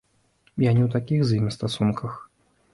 Я не ў такіх з імі стасунках.